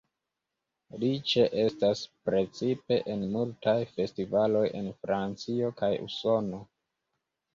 Li ĉeestas precipe en multaj festivaloj en Francio kaj Usono.